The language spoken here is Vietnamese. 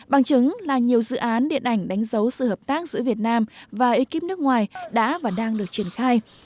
bằng chứng là nhiều dự án điện ảnh đánh dấu sự hợp tác giữa việt nam và ekip nước ngoài đã và đang được triển khai